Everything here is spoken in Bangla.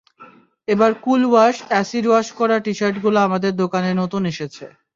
এবার কুল ওয়াশ, অ্যাসিড ওয়াশ করা টি-শার্টগুলো আমাদের দোকানে নতুন এসেছে।